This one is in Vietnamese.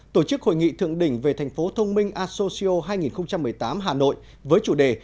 tổ chức hội nghị thượng đỉnh về thành phố thông minh associo hai nghìn một mươi tám hà nội với chủ đề